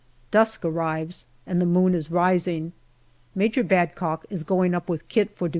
Dusk arrives, and the moon is rising. Major Badcock is going up with kit for D.H.